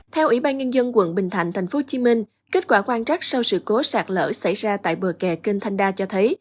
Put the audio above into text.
theo ủy ban nhân dân quận bình thạnh tp hcm kết quả quan trắc sau sự cố sạt lở xảy ra tại bờ kè kênh thanh đa cho thấy